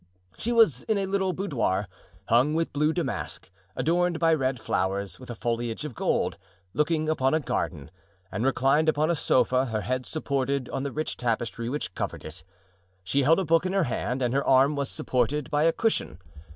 She was in a little boudoir, hung with blue damask, adorned by red flowers, with a foliage of gold, looking upon a garden; and reclined upon a sofa, her head supported on the rich tapestry which covered it. She held a book in her hand and her arm was supported by a cushion.